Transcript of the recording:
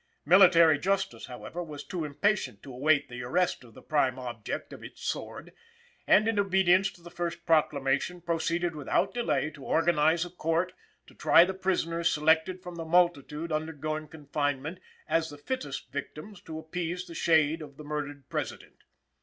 Military Justice, however, was too impatient to await the arrest of the prime object of its sword; and in obedience to the first proclamation proceeded without delay to organize a court to try the prisoners selected from the multitude undergoing confinement as the fittest victims to appease the shade of the murdered President.